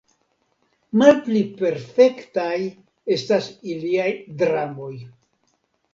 Malpli perfektaj estas iliaj dramoj!